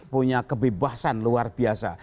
punya kebebasan luar biasa